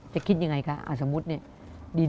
คิดยังไงคะสมมุติเนี่ย